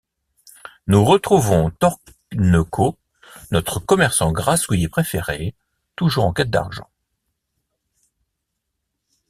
Nous retrouvons Torneko, notre commerçant grassouillet préféré, toujours en quête d'argent.